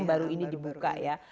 baru ini dibuka ya